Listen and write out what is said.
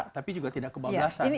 tapi juga tidak kebablasan